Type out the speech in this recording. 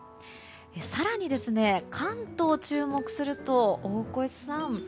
更に、関東に注目すると大越さん